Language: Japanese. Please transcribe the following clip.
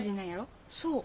そう。